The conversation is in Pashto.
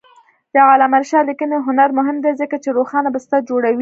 د علامه رشاد لیکنی هنر مهم دی ځکه چې روښانه بستر جوړوي.